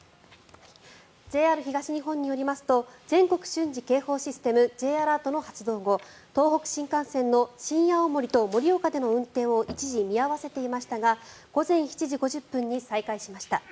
ＪＲ東日本によりますと全国瞬時警戒システムＪアラートの発令後東北新幹線の新青森と盛岡での運転を一時、見合わせていましたが午前７時５０分に再開しました。